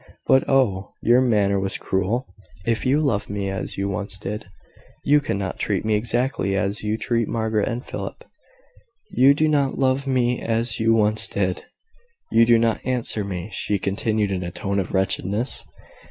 But, oh! your manner was cruel. If you loved me as you once did, you could not treat me exactly as you treat Margaret and Philip. You do not love me as you once did... You do not answer me," she continued in a tone of wretchedness.